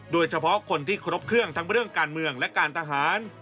โดยเฉพาะคนที่ครบเครื่องทั้งเรื่องการเมืองและการทหาร